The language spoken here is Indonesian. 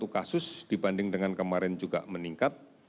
enam puluh satu kasus dibanding dengan kemarin juga meningkat